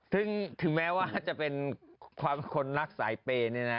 ถึงแม้ว่าจะเป็นความคนรักสายเปย์เนี่ยนะ